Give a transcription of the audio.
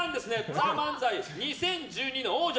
「ＴＨＥＭＡＮＺＡＩ２０１２」の王者。